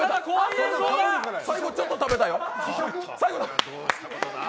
最後、ちょっと食べたよ。